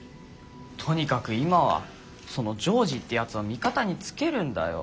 とにかく今はそのジョージってやつを味方につけるんだよ。